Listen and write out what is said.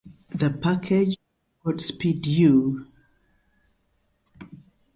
The package of the Godspeed You!